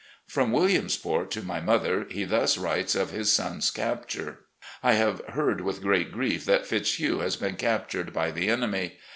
From Williamsport, to my mother, he thus writes of his son's capture; " I have heard with great grief that Fitzhugh has been captured by the enemy.